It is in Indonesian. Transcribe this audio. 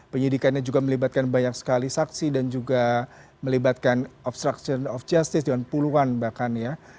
penyidikannya juga melibatkan banyak sekali saksi dan juga melibatkan obstruction of justice dewan puluhan bahkan ya